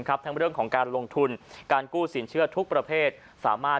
ทั้งเรื่องของการลงทุนการกู้สินเชื่อทุกประเภทสามารถ